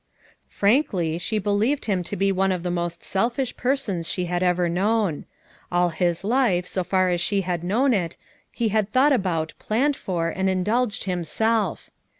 Frankly she be lieved him to be one of the most selfish persons she had ever known. All his life, so far as she had known it, he had thought about, planned for and indulged himself.